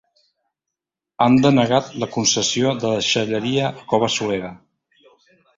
Han denegat la concessió de la deixalleria a Cova Solera.